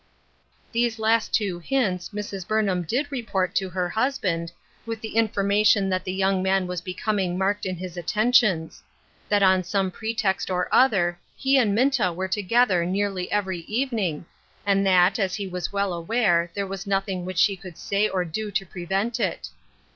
A TROUBLESOME "YOUNG PERSON. 165 These two last hints Mrs. Burnham did report to her husband, with the information that the young man was becoming marked in his atten tions ; that on some pretext or other he and Minta were together nearly every evening, and that, as he was well aware, there was nothing which she could say or do to prevent it.